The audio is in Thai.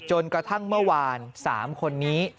จนกระทั่งเมื่อวาน๓คนนี้